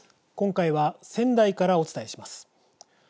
今回は仙台からお伝えします。